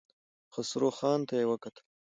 خسرو خان ته يې وکتل.